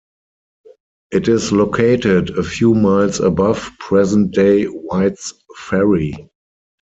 It is located a few miles above present-day White's Ferry.